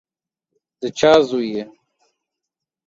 د چا زوی یې؟